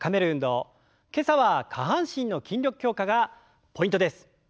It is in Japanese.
今朝は下半身の筋力強化がポイントです。